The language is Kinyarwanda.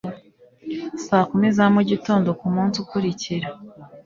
saa kumi za mu gitondo ku munsi ukurikira